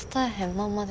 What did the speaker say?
まんまで。